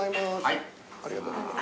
ありがとうございます。